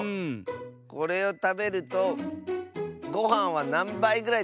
これをたべるとごはんはなんばいぐらいたべられますか？